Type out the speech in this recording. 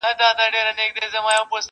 اوس که چپ یمه خاموش یم وخت به راسي,